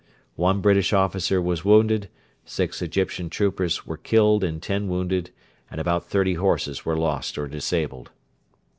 One British officer was wounded; six Egyptian troopers were killed and ten wounded; and about thirty horses were lost or disabled.